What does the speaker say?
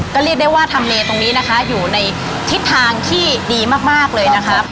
ก็เรียกได้ว่าทำไมอยู่ในทิศทางที่ดีมากเลยนะครับ